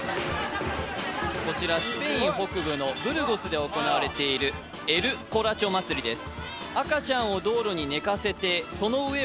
こちらスペイン北部のブルゴスで行われているエル・コラチョ祭りです